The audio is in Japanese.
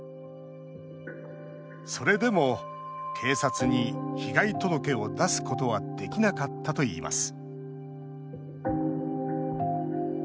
それでも警察に被害届を出すことはできなかったといいます